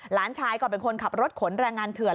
หลานชายก็เป็นคนขับรถขนแรงงานเถื่อน